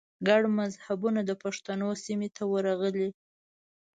ګڼ مذهبونه د پښتنو سیمې ته ورغلي